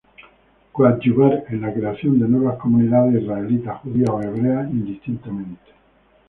Coadyuvar en la creación de nuevas Comunidades Israelitas, Judías o Hebreas, indistintamente.